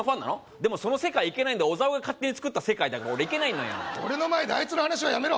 でもその世界行けないんだ小沢が勝手に作った世界だから俺の前であいつの話はやめろ！